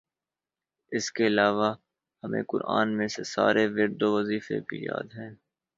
اسکے علاوہ ہمیں قرآن میں سے سارے ورد وظیفے بھی یاد ہیں